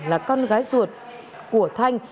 là con gái suột của thanh